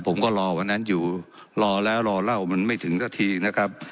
ผมก็รอวันนั้นอยู่รอแล้วรอเล่ามันไม่ถึงสักทีนะครับ